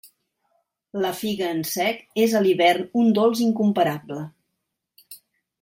La figa en sec és a l'hivern un dolç incomparable.